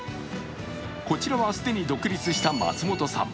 こちらは既に独立した松本さん。